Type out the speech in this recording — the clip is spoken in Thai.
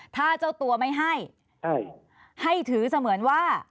ถ้าเจ้าตัวไม่ให้ให้ถือเสมือนว่า